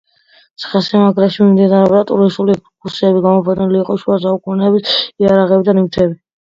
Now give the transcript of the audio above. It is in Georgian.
ციხესიმაგრეში მიმდინარეობდა ტურისტული ექსკურსიები, გამოფენილი იყო შუა საუკუნეების იარაღები და ნივთები.